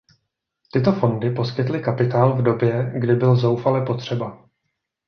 Tyto fondy poskytly kapitál v době, kdy byl zoufale potřeba.